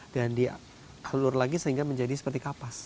dan dihalur lagi sehingga menjadi seperti kapas